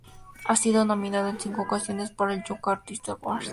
Ha sido nominado en cinco ocasiones para el Young Artist Awards.